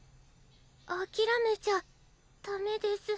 あきらめちゃダメです。